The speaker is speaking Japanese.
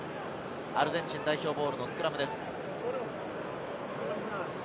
アルゼンチン代表ボールのスクラムです。